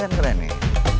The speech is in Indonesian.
angin keren nih